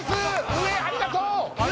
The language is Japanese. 上ありがとう上！